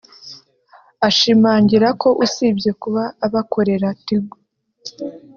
ashimangira ko usibye kuba abakorera Tigo